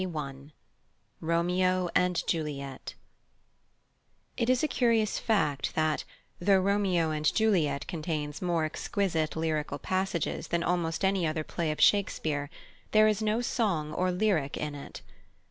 ROMEO AND JULIET It is a curious fact that, though Romeo and Juliet contains more exquisite lyrical passages than almost any other play of Shakespeare, there is no song or lyric in it.